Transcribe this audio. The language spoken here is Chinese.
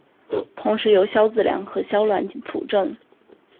同时由萧子良与萧鸾辅政。